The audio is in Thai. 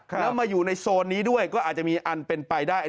แล้วมาอยู่ในโซนนี้ด้วยก็อาจจะมีอันเป็นไปได้